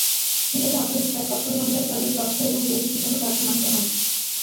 সিলেটে অটোরিকশায় ককটেল হামলায় ছয়জন দগ্ধ এবং দুই শিশুসহ চারজন আহত হন।